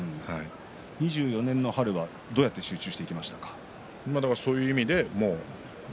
２４年の春はどうやって集中したんですか？